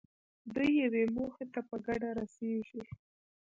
دوی یوې موخې ته په ګډه رسېږي.